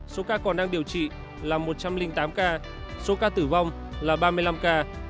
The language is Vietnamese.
số ca còn đang điều trị là một trăm linh tám ca số ca tử vong là ba mươi năm ca